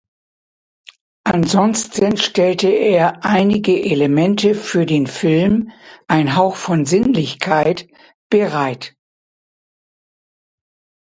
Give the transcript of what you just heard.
Ansonsten stellte er einige Elemente für den Film "Ein Hauch von Sinnlichkeit" bereit.